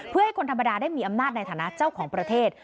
เพื่อให้คนธรรมดาได้มีอำนาจในฐานะเจ้าของประเทศ